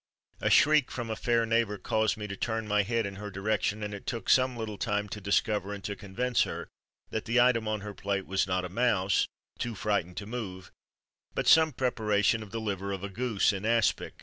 A shriek from a fair neighbour caused me to turn my head in her direction; and it took some little time to discover, and to convince her, that the item on her plate was not a mouse, too frightened to move, but some preparation of the liver of a goose, in "aspic."